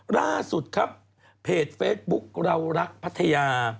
ล่าสุดครับเพจเฟซบุ๊คเรารักพัทยา